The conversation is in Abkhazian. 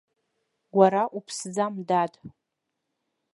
Уара уԥсӡам, дад.